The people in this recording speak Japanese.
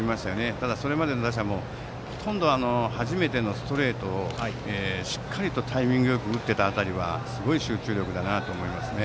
ただ、それまでの打者も初めてのストレートをしっかりとタイミングよく打っていた辺りはすごい集中力だなと思いますね。